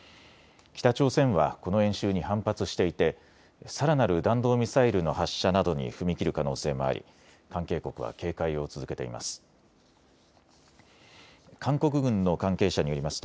北朝鮮はこの演習に反発していてさらなる弾道ミサイルの発射などに踏み切る可能性もあり関係国は警戒を続けています。